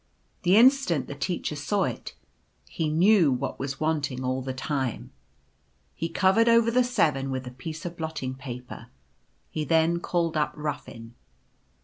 The instant the Teacher saw it he knew what was wanting all the time. He covered over the Seven with a piece of blotting paper. He then called up Ruffin.